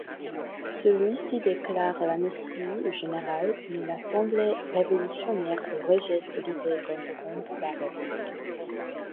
Celui-ci déclare l'amnistie générale, mais l'assemblée révolutionnaire rejette l'idée d'interrompre la révolte.